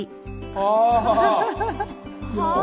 ああ！